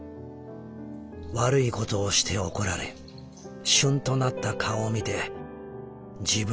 悪いことをして怒られしゅんとなった顔を見て自分ごとのように心配になる。